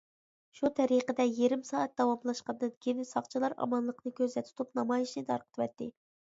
شۇ تەرىقىدە يېرىم سائەت داۋاملاشقاندىن كىيىن، ساقچىلار ئامانلىقنى كۆزدە تۇتۇپ نامايىشنى تارقىتىۋەتتى.